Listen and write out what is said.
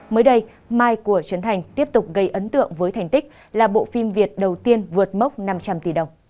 mới đây mai của trấn thành tiếp tục gây ấn tượng với thành tích là bộ phim việt đầu tiên vượt mốc năm trăm linh tỷ đồng